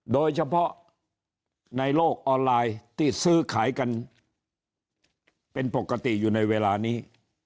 โดยเฉพาะในโลกออนไลน์ที่ซื้อขายกันเป็นปกติอยู่ในเวลานี้